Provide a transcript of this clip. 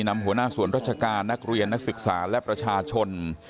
นำหัวหน้าส่วนราชการนักเรียนนักศึกษาและประชาชน